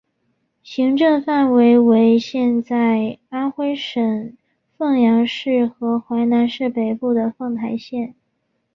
行政范围为现在安徽省阜阳市和淮南市北部的凤台县。